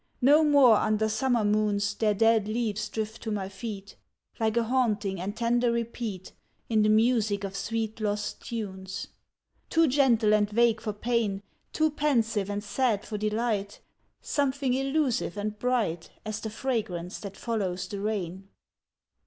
No more under summer moons Their dead leaves drift to my feet, Like a haunting and tender repeat In the music of sweet lost tunes. Too gentle and vague for pain, Too pensive and sad for delight, Something elusive and bright As the fragrance that follows the rain.